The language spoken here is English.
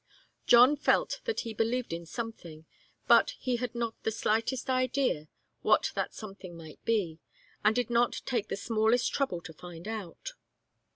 John felt that he believed in something, but he had not the slightest idea what that something might be, and did not take the smallest trouble to find out.